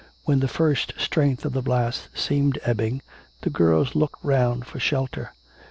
When the first strength of the blast seemed ebbing, the girls looked round for shelter.